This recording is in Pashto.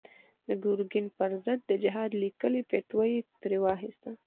د ګرګين پر ضد د جهاد ليکلې فتوا يې ترې واخيسته.